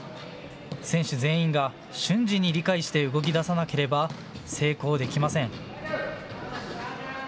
選手全員が瞬時に理解して動きださなければ成功できません。